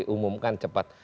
untuk diumumkan cepat